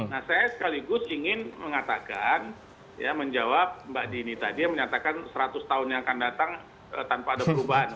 nah saya sekaligus ingin mengatakan ya menjawab mbak dini tadi yang menyatakan seratus tahun yang akan datang tanpa ada perubahan